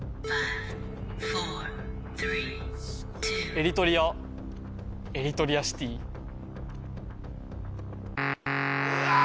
エリトリア・エリトリアシティうわ！